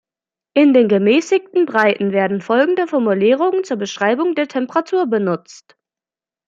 In den gemäßigten Breiten werden folgende Formulierungen zur Beschreibung der Temperatur benutzt.